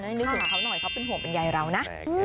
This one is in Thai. นึกถึงเขาหน่อยเขาเป็นห่วงเป็นใยเรานะ